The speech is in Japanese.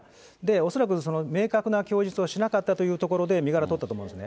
恐らく明確な供述をしなかったというところで身柄取ったと思うんですね。